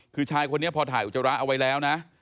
คือชายคนนี้พอถ่ายอุจจาระเอาไว้แล้วนะ